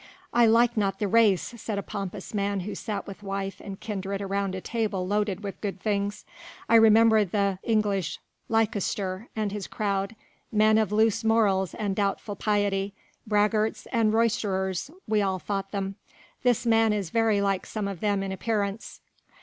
"I like not the race," said a pompous man who sat with wife and kindred round a table loaded with good things. "I remember the English Leicester and his crowd, men of loose morals and doubtful piety; braggarts and roisterers we all thought them. This man is very like some of them in appearance."